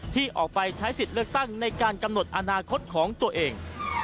ที่ออกไปใช้สิทธิ์เลือกตั้งในการกำหนดอนาคตของตัวเอง